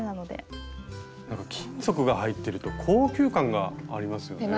金属が入ってると高級感がありますよね。